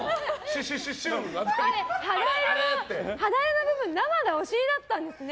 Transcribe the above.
肌色の部分生のお尻だったんですね。